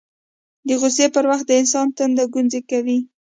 د غوسې پر وخت د انسان تندی ګونځې کوي